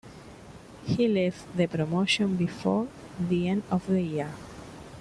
He left the promotion before the end of the year.